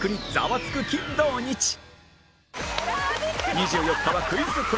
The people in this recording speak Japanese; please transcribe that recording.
２４日はクイズコラボ